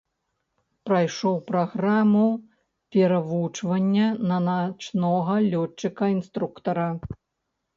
Прайшоў праграму перавучвання на начнога лётчыка-інструктара.